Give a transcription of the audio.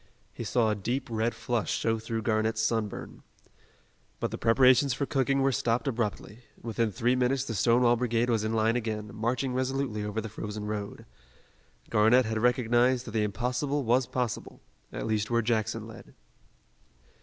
He saw a deep red flush show through Garnett's sunburn. But the preparations for cooking were stopped abruptly. Within three minutes the Stonewall Brigade was in line again, marching resolutely over the frozen road. Garnett had recognized that the impossible was possible at least where Jackson led.